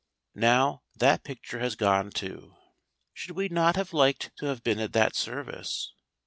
Now that picture has gone too. Should we not have liked to have been at that service?